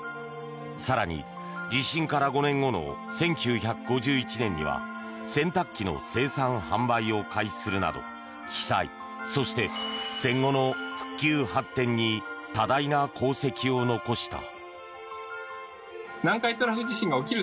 更に、地震から５年後の１９５１年には洗濯機の生産・販売を開始するなど被災、そして戦後の復旧、発展に多大な功績を残した。